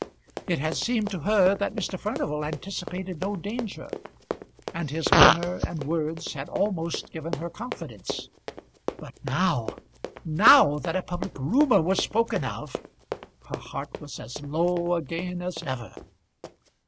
It had seemed to her that Mr. Furnival anticipated no danger, and his manner and words had almost given her confidence. But now, now that a public rumour was spoken of, her heart was as low again as ever.